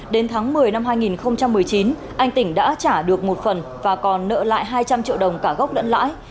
đến tháng một mươi năm hai nghìn một mươi chín anh tỉnh đã trả được một phần và còn nợ lại hai trăm linh triệu đồng cả gốc lẫn lãi